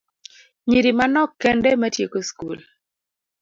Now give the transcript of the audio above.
Nyiri manok kende ema tieko skul